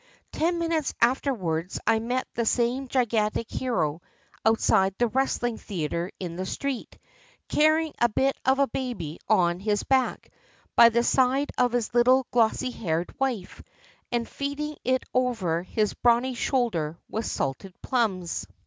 Ten minutes after wards I met the same gigantic hero, outside the wrestHng theater in the street, carrying a bit of a baby on his back, by the side of his Httle glossy haired wife, and feeding it over his brawny shoulder with salted plums.